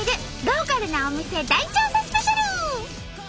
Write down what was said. ローカルなお店大調査スペシャル！